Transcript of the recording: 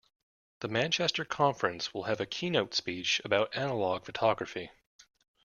The Manchester conference will have a keynote speech about analogue photography.